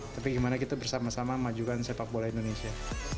tapi gimana kita bersama sama majukan sepak bola indonesia